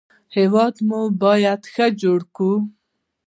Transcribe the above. هېواد مو باید ښه جوړ کړو